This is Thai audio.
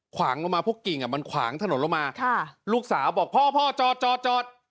ขวางลงมาพวกกิ่งมันขวางถนนลงมาลูกสาวบอกพ่อจอด